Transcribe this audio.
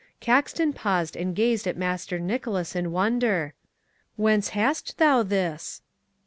'" Caxton paused and gazed at Master Nicholas in wonder. "Whence hadst thou this?"